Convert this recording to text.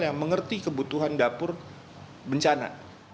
yang mengerti kebutuhan dapur bencana